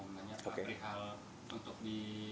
mau nanya perihal untuk di